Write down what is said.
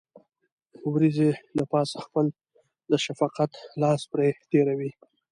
وريځې له پاسه خپل د شفقت لاس پرې تېروي.